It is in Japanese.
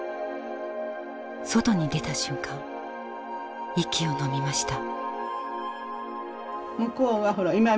外に出た瞬間息をのみました。